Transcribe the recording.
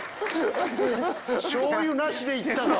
しょうゆなしでいったぞ。